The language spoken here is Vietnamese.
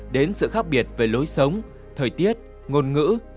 đến sự khác biệt về lối sống thời tiết ngôn ngữ